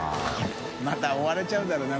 泙追われちゃうだろうな。